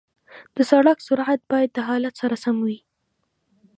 د سړک سرعت باید د حالت سره سم وي.